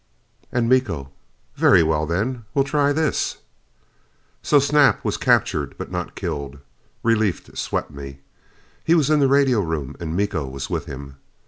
And Miko, "Very well, then. We'll try this." So Snap was captured but not killed. Relief swept me. He was in the radio room and Miko was with him.